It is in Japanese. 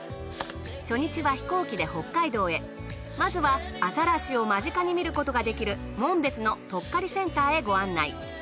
初日は飛行機で北海道へまずはアザラシを間近に見ることができる紋別のとっかりセンターへご案内。